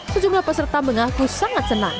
sejumlah peserta mengaku sangat senang